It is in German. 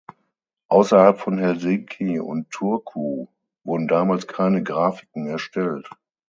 Außerhalb von Helsinki und Turku wurden damals keine Grafiken erstellt.